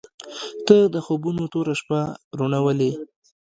• ته د خوبونو توره شپه روڼولې.